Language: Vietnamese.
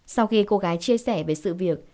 sau khi cô gái chia sẻ về sự việc